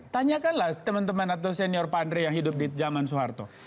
tanyakanlah teman teman atau senior pak andre yang hidup di zaman soeharto